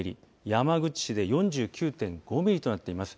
山口市で４９．５ミリとなっています。